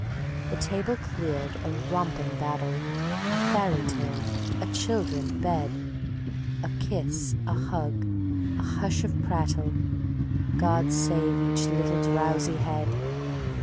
The table cleared, a romping battle, A fairy tale, a "Children, bed," A kiss, a hug, a hush of prattle (God save each little drowsy head!)